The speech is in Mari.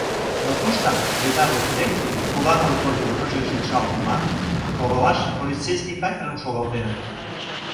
Но туштак, «Беда» воктек, пуламыр годым ынже шикшалт манын, оролаш полицейский катерым шогалтеныт.